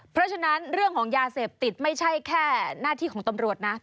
เพราะฉะนั้นเรื่องของยาเสพติดไม่ใช่แค่หน้าที่ของตำรวจนะ